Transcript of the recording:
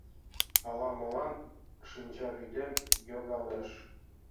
Ала-молан шинчавӱдем йогалеш.